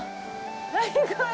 何これ。